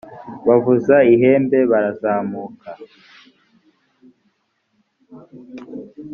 bavuza ihembe barazamuka